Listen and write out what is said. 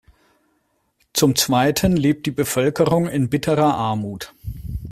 Zum zweiten lebt die Bevölkerung in bitterer Armut.